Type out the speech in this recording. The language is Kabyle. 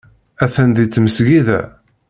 Atan deg tmesgida.